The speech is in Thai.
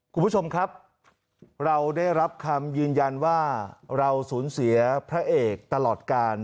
คุณผู้ชมครับเราได้รับคำยืนยันว่าเราสูญเสียพระเอกตลอดการ